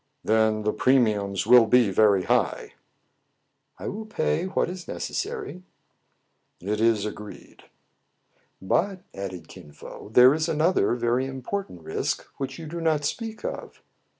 "Then the premiums will be very high." " I will pay what is necessary." "It is agreed." "But," added Kin Fo, "there is another very important risk, which you do not speak of."